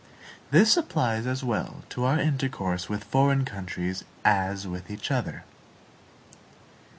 This applies as well to our intercourse with foreign countries as with each other.